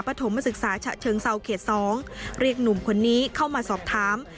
ถมศึกษาฉะเชิงเซาเขต๒เรียกหนุ่มคนนี้เข้ามาสอบถาม